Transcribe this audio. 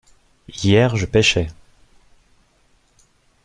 Hier je pêchais.